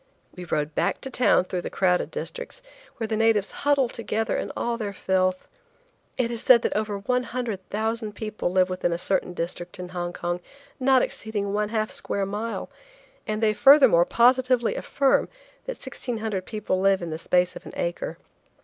We rode back to town through the crowded districts, where the natives huddle together in all their filth. It is said that over 100,000 people live within a certain district in Hong Kong not exceeding one half square mile, and they furthermore positively affirm, that sixteen hundred people live in the space of an acre.